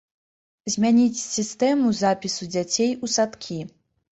Змяніць сістэму запісу дзяцей у садкі.